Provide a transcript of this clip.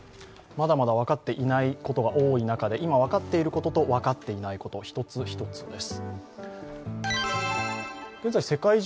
まだまだ分かっていないことが多い中で今分かっていることと分かっていないこと、一つ一つです